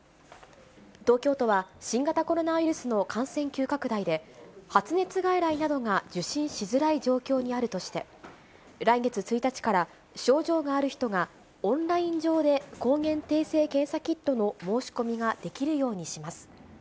東京都は、新型コロナウイルスの感染急拡大で、発熱外来などが受診しづらい状況にあるとして、来月１日から、症状がある人がオンライン上で抗原定性検査キットの申し込みができるようにします。